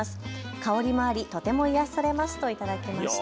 香りもあり、とても癒やされますと頂きました。